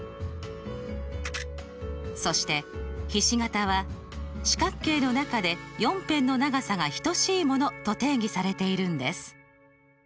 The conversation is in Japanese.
そしてひし形は「四角形の中で４辺の長さが等しいもの」と定義されているんです。